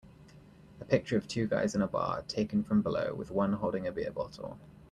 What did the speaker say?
A picture of two guys in a bar taken from below with one holding a beer bottle.